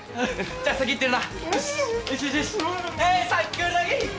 じゃあ先行ってるな。